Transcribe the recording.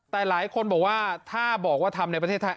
แต่หลายคนบอกว่าถ้าบอกว่าทำในประเทศไทย